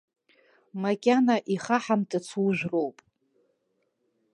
Макьана ихаҳамтыц ужәроуп.